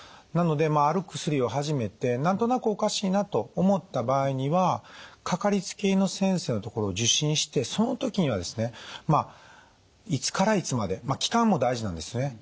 なのである薬を始めて何となくおかしいなと思った場合にはかかりつけ医の先生の所を受診してその時にはですねいつからいつまで期間も大事なんですよね。